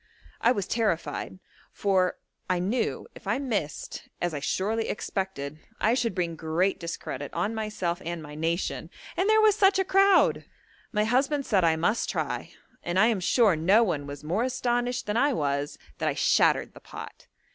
I was terrified; for I knew if I missed, as I surely expected, I should bring great discredit on myself and my nation, and there was such a crowd! My husband said I must try, and I am sure no one was more astonished than I was that I shattered the pot.